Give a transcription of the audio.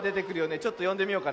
ちょっとよんでみようかな。